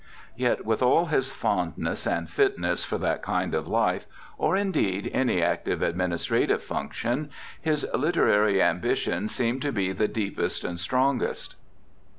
Yet, with all his fondness and fitness for that kind of life, or indeed any active administrative function, his literary ambition seemed to be the deepest and strongest.